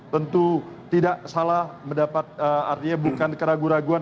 tentu tidak salah mendapat artinya bukan keraguan keraguan